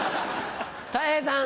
たい平さん。